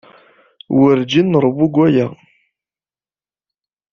Werǧin nṛewwu seg waya.